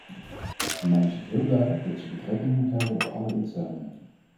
Voor mij is het heel duidelijk dat ze betrekking moet hebben op alle instellingen.